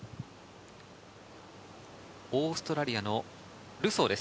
オーストラリアのルソーです。